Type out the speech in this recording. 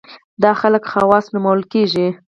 دا خلک خواص نومول کېږي.